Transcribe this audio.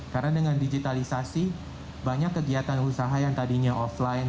karena dengan digitalisasi banyak kegiatan usaha yang tadinya offline